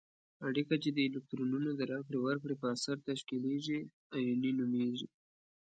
اړیکه چې د الکترونونو د راکړې ورکړې په اثر تشکیلیږي آیوني نومیږي.